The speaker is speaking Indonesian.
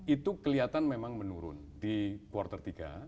itu kelihatan memang menurun di quarter tiga